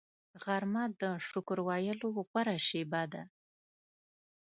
غرمه د شکر ویلو غوره شیبه ده